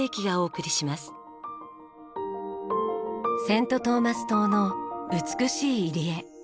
セント・トーマス島の美しい入り江